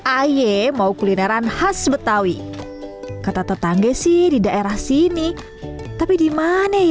ayye mau kulineran khas betawi kata tetangga sih di daerah sini tapi di mana ya